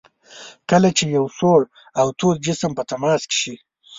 کله چې یو سوړ او تود جسم په تماس شي.